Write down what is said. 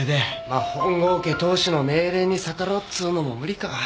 ・まっ本郷家当主の命令に逆らうっつうのも無理か。